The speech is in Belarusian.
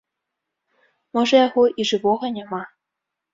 Можа яго і жывога няма.